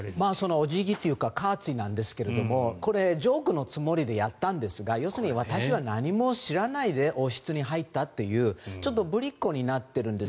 お辞儀というかカーツィーですがこれはジョークのつもりでやったんですが要するに私は何も知らないで王室に入ったというちょっとぶりっこになっているんです。